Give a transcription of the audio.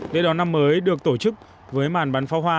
lễ đón năm mới được tổ chức với màn bắn pháo hoa